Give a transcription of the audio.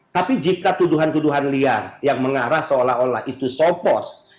tapi jika tuduhan tuduhan liar yang mengarah seolah olah itu so pos